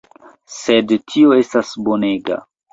Sed tio estas bonega!